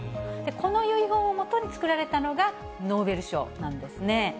この遺言をもとに作られたのが、ノーベル賞なんですね。